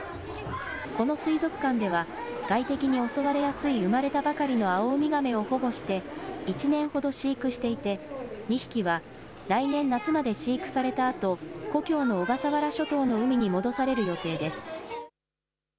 この水族館では外敵に襲われやすい生まれたばかりのアオウミガメを保護して１年ほど飼育していて２匹は来年夏まで飼育されたあと故郷の小笠原諸島の海に戻される予定です。